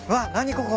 ここ。